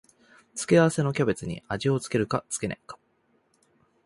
付け合わせのキャベツに味を付けるか付けないか